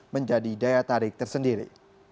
menjadi daya tarik tersendiri